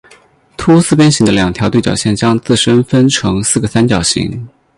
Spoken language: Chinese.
凸四边形的两条对角线将自身分成四个三角形。